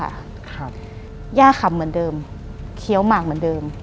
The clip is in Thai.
ครับย่าขำเหมือนเดิมเคี้ยวหมากเหมือนเดิม